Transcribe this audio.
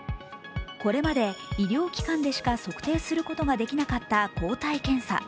これまで医療機関でしか測定することができなかった抗体検査。